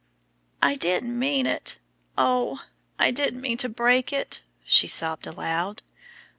"I didn't mean it oh! I didn't mean to break it," she sobbed aloud.